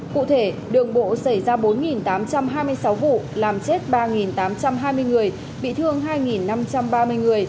cụ thể đường bộ xảy ra bốn tám trăm hai mươi sáu vụ làm chết ba tám trăm hai mươi người bị thương hai năm trăm ba mươi người